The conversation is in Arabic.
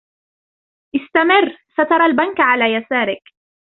استمر ، سترى البنك على يسارك.